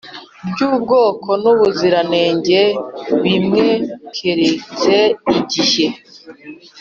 by ubwoko n ubuziranenge bimwe keretse igihe